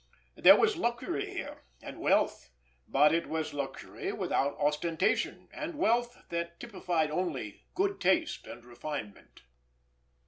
There was luxury here, and wealth; but it was luxury without ostentation, and wealth that typified only good taste and refinement.